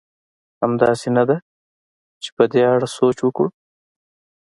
همداسې نه ده؟ چې په دې اړه سوچ وکړو.